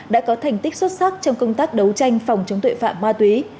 đã có thành tích xuất sắc trong công tác đấu tranh phòng chống tội phạm ma túy